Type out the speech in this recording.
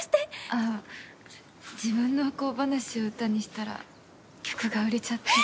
ああ自分の不幸話を歌にしたら曲が売れちゃって。